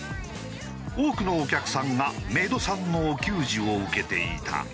多くのお客さんがメイドさんのお給仕を受けていた。